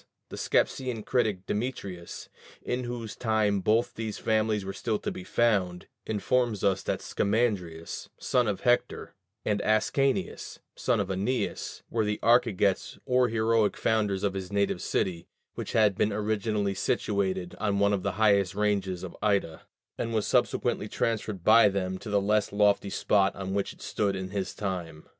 The Scepsian critic Demetrius (in whose time both these families were still to be found) informs us that Scamandrius, son of Hector, and Ascanius, son of Æneas, were the archegets or heroic founders of his native city, which had been originally situated on one of the highest ranges of Ida, and was subsequently transferred by them to the less lofty spot on which it stood in his time.